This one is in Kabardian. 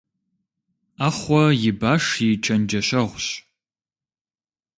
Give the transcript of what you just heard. Ӏэхъуэ и баш и чэнджэщэгъущ.